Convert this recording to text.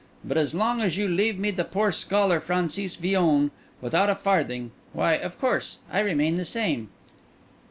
But as long as you leave me the poor scholar Francis Villon, without a farthing, why, of course, I remain the same."